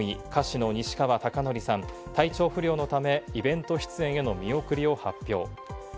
４位、歌手の西川貴教さん、体調不良のため、イベント出演への見送りを発表。